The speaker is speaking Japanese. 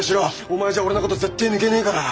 お前じゃ俺のこと絶対抜けねえから！